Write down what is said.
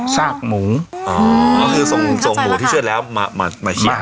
อ๋อสร้างหมูอ๋อคือส่งส่งหมูที่เชิดแล้วมามามาให้ใช่